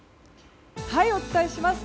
お伝えします。